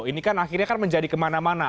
ini kan akhirnya kan menjadi kemana mana